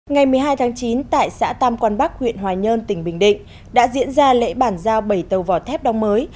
ngày một mươi hai tháng chín tại xã tam quán bắc huyện hòa nhơn tỉnh bình định đã diễn ra lễ bản giao bảy tàu vỏ thép đông mới